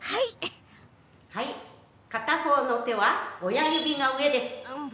はい、片方の手は親指が上です。